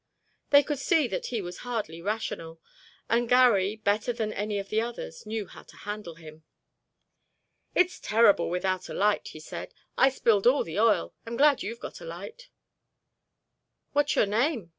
They could see that he was hardly rational, and Garry, better than any of the others, knew how to handle him. "It's terrible without a light," he said; "I spilled all the oil—I'm glad you've got a light." "What's your name?"